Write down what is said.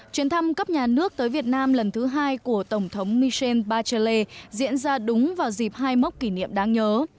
chuyến thăm cấp nhà nước tới việt nam lần thứ hai của tổng thống michel bachale diễn ra đúng vào dịp hai mốc kỷ niệm đáng nhớ